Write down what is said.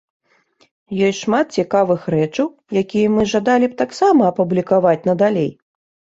Ёсць шмат цікавых рэчаў, якія мы жадалі б таксама апублікаваць надалей.